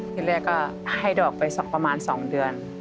ที่แรกก็ให้ดอกไปประมาณ๒เดือน